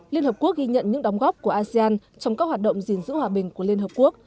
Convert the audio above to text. liên hợp quốc ghi nhận những đóng góp của asean trong các hoạt động gìn giữ hòa bình của liên hợp quốc